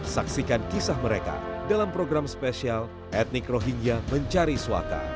saksikan kisah mereka dalam program spesial etnik rohingya mencari suaka